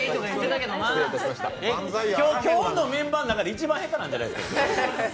今日のメンバーの中で一番下手なんじゃないですか。